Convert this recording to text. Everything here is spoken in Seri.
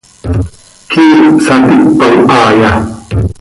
¿Quíih saticpan haaya?